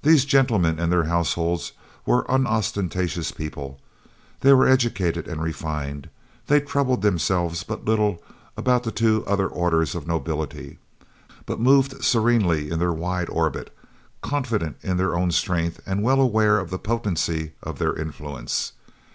These gentlemen and their households were unostentatious people; they were educated and refined; they troubled themselves but little about the two other orders of nobility, but moved serenely in their wide orbit, confident in their own strength and well aware of the potency of their influence.